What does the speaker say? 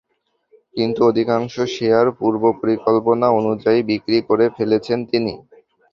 কিন্তু অধিকাংশ শেয়ার পূর্বপরিকল্পনা অনুযায়ী বিক্রি করে ফেলেছেন তিনি।